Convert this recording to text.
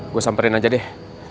gua samperin aja deh